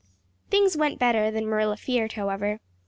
Things went better than Marilla feared, however.